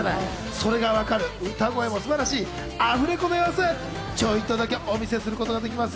それがわかるアフレコの様子、ちょいとだけお見せすることができます。